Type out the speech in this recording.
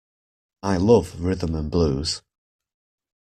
I love rhythm and blues!